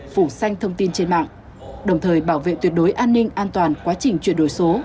phủ xanh thông tin trên mạng đồng thời bảo vệ tuyệt đối an ninh an toàn quá trình chuyển đổi số